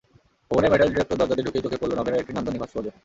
ভবনের metal detector দরজা দিয়ে ঢুকেই চোখে পড়ল নভেরার একটি নান্দনিক ভাস্কর্য।